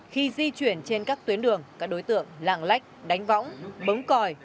khi di chuyển trên các tuyến đường các đối tượng lạng lách đánh võng bấg còi